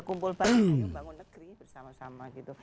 kumpul bareng bangun negeri bersama sama gitu